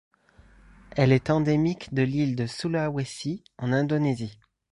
Elle est endémique de l'île de Sulawesi en Indonésie.